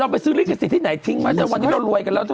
ไปซื้อลิขสิทธิ์ไหนทิ้งไหมแต่วันนี้เรารวยกันแล้วเธอ